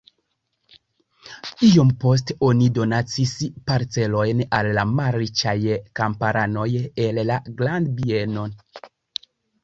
Iom poste oni donacis parcelojn al la malriĉaj kamparanoj el la grandbieno.